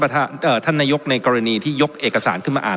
ประท่าเอ่อท่านนยกในกรณีที่ยกเอกสารขึ้นมาอ่าน